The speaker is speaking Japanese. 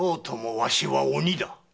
わしは鬼だ。